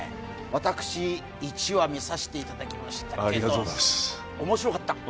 私１話見させていただきましたけど面白かった。